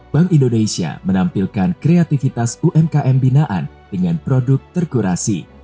bank indonesia menampilkan kreativitas umkm binaan dengan produk terkurasi